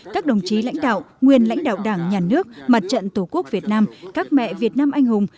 các đồng chí lãnh đạo nguyên lãnh đạo đảng nhà nước mặt trận tổ quốc việt nam các mẹ việt nam anh hùng